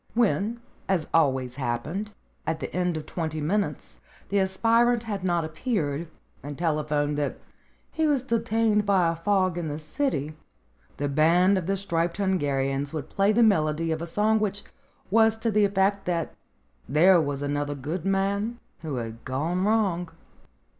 When, as always happened, at the end of twenty minutes the aspirant had not appeared, and telephoned that he was detained by a fog in the City, the band of the Striped Hungarians would play the melody of a song which was to the effect that there was another good man who had gone wrong.